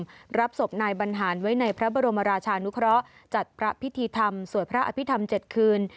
รับศพนายบรรหารไว้ในพระบรมราชานุเคราะห์จัดพระพิธีธรรมสวดพระอภิษฐรรม๗คืน